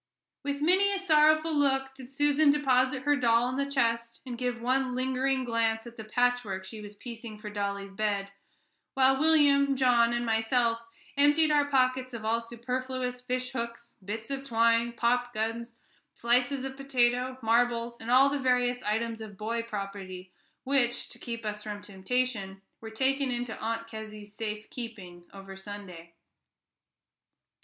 With many a sorrowful look did Susan deposit her doll in the chest, and give one lingering glance at the patchwork she was piecing for dolly's bed, while William, John, and myself emptied our pockets of all superfluous fish hooks, bits of twine, popguns, slices of potato, marbles, and all the various items of boy property, which, to keep us from temptation, were taken into Aunt Kezzy's safe keeping over Sunday.